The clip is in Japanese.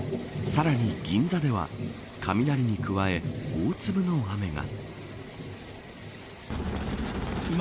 さらに銀座では雷に加え、大粒の雨が。